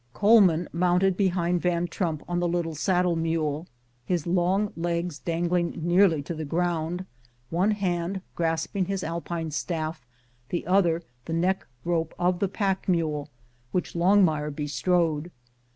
Coleman mounted behind Van Trump on the little saddle mule, his long legs dangling nearly to the ground, one hand grasping his Alpine staffs, the other the neck rope of the pack mule, which Longmire be strode.